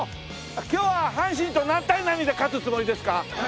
今日は阪神と何対何で勝つつもりですか？